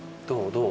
どう？